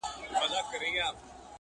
چي ملا شکرانه واخلي تاثیر ولاړ سي.